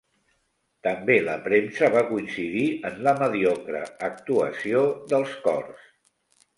També la premsa va coincidir en la mediocre actuació dels cors.